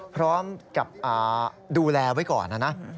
พร้อมกับดูแลไว้ก่อนนะนะ